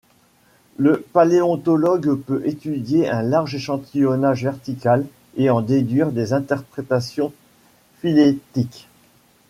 Le paléontologue peut étudier un large échantillonnage vertical et en déduire des interprétations phylétiques.